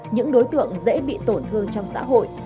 những đối tượng dễ bị tổn thương trong xã hội